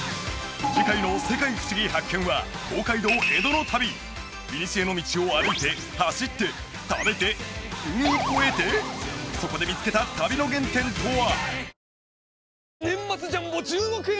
次回の「世界ふしぎ発見！」は東海道江戸の旅いにしえの道を歩いてそこで見つけた旅の原点とは？